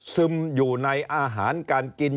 ซึมอยู่ในอาหารการกิน